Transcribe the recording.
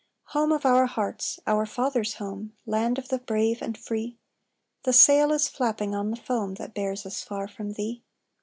"Home of our hearts! our father's home! Land of the brave and free! The sale is flapping on the foam That bears us far from thee!